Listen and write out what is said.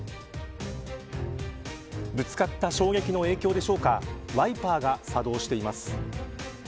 ぶつかった衝撃の影響でしょうかワイパーが作動しています。